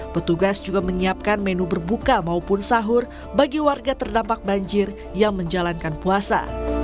petugas juga menyiapkan menu berbuka maupun sahur bagi warga terdampak banjir yang menjalankan puasa